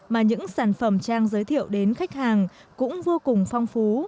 mà những sản phẩm trang giới thiệu đến khách hàng cũng vô cùng phong phú